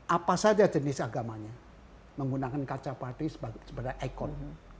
apa saja jenis agamanya menggunakan kaca padi sebagai ikon